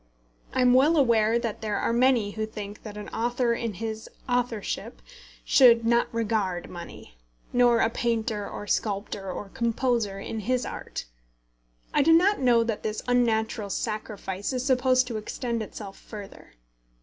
I am well aware that there are many who think that an author in his authorship should not regard money, nor a painter, or sculptor, or composer in his art. I do not know that this unnatural self sacrifice is supposed to extend itself further.